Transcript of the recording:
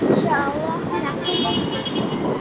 insya allah yakin